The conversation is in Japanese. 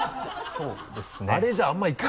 そうですね。